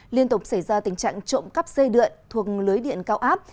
liên tục xảy ra tình trạng trộm cắp dây đượn thuộc lưới điện cao áp